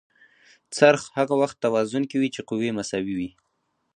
څرخ هغه وخت توازن کې وي چې قوې مساوي وي.